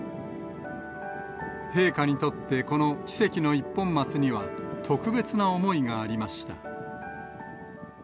陛下にとって、この奇跡の一本松には、特別な思いがありました。